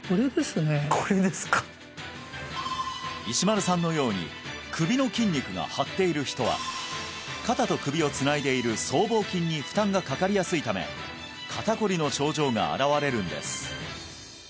石丸さんのように首の筋肉が張っている人は肩と首をつないでいる僧帽筋に負担がかかりやすいため肩こりの症状が現れるんです